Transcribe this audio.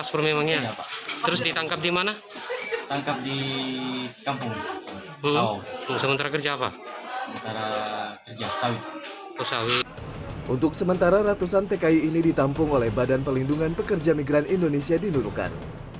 untuk sementara ratusan tki ini ditampung oleh badan pelindungan pekerja migran indonesia di nunukan